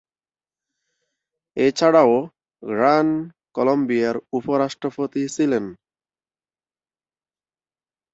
এছাড়াও গ্রান কলম্বিয়ার উপ-রাষ্ট্রপতি ছিলেন।